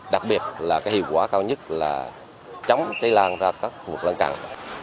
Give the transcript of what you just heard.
đặc biệt là cái hiệu quả cao nhất là chống cháy lan ra các vùng lãng cẳng